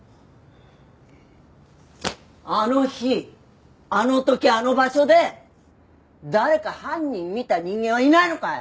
あの日あの時あの場所で誰か犯人見た人間はいないのかい？